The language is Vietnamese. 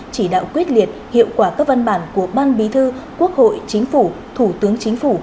chỉ đạo quyết liệt hiệu quả các văn bản của ban bí thư quốc hội chính phủ thủ tướng chính phủ